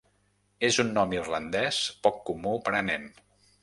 És un nom irlandès poc comú per a nen.